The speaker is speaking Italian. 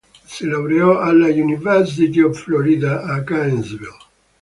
Si laureò alla University of Florida a Gainesville.